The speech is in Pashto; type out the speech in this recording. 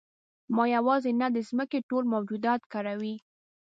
ما یوازې نه د ځمکې ټول موجودات کړوي.